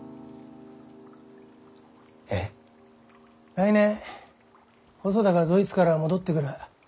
来年細田がドイツから戻ってくる。